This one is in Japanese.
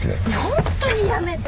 ホントにやめて！